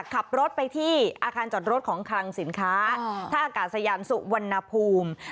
ขับรถไปที่อาคารจอดรถของคลังสินค้าท่าอากาศยานสุวรรณภูมิ